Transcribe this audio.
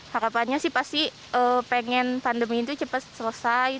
harapannya sih pasti pengen pandemi itu cepat selesai